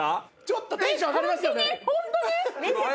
ちょっとテンション上がりますよね。